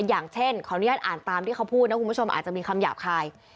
อย่างเช่นขออนุญาตอ่านตามที่เขาพูดนะคุณผู้ชมอาจจะมีคำหยาบคาย